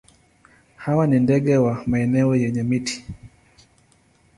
Hawa ni ndege wa maeneo yenye miti.